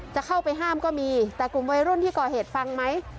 จะเข้าไปห้ามก็มีแต่กลุ่มวัยรุ่นที่ก่อเหตุฟังไหม